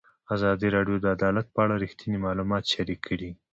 ازادي راډیو د عدالت په اړه رښتیني معلومات شریک کړي.